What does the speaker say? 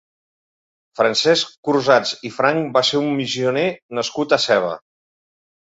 Francesc Crusats i Franch va ser un missioner nascut a Seva.